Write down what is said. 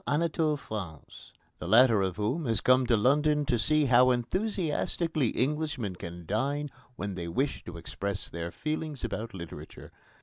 Anatole France, the latter of whom has come to London to see how enthusiastically Englishmen can dine when they wish to express their feelings about literature.